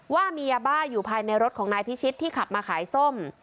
ว่ามียาบ้าอยู่ภายในรถของนายพิชิตที่ขับมาขายส้ม